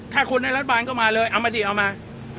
ถ้าคนได้รัฐบาลก็มาเลยเอามาดิเอามา